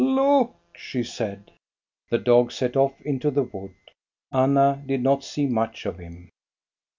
" Look !" she said. The dog set off into the wood. Anna did not see much of him.